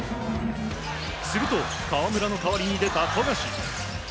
すると、河村の代わりに出た富樫。